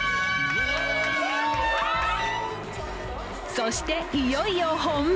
そしていよいよ本番。